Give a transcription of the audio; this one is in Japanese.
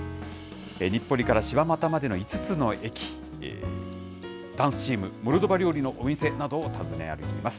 日暮里から柴又までの５つの駅、ダンスチーム、モルドバ料理のお店などを訪ね歩きます。